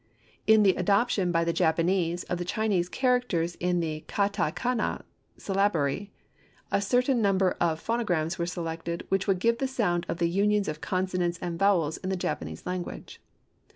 In the adoption by the Japanese of the Chinese characters in the Ka ta ka na syllabary, a certain number of phonograms were selected which would give the sound of the unions of consonants and vowels in the Japanese language.